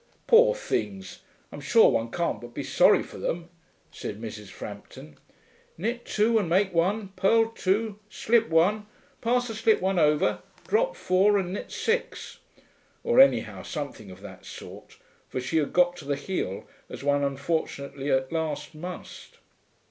'Poor things, I'm sure one can't but be sorry for them,' said Mrs. Frampton. 'Knit two and make one, purl two, slip one, pass the slipped one over, drop four and knit six.' (Or anyhow, something of that sort, for she had got to the heel, as one unfortunately at last must.)